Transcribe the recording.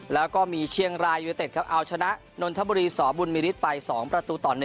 แล้วก็มีเชียงรายยูนิเต็ดครับเอาชนะนนทบุรีสบุญมิริตไป๒ประตูต่อ๑